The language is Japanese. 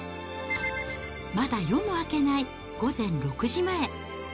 まだ夜も明けない午前６時前。